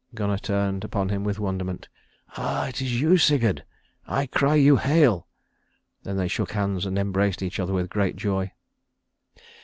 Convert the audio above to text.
Gunnar turned upon him in wonderment. "Ah, it is you, Sigurd! I cry you hail!" Then they shook hands and embraced each other with great joy.